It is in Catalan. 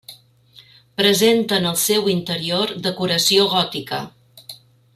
Presenta en el seu interior decoració gòtica.